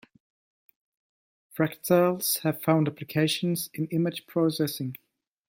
Fractals have found applications in image processing.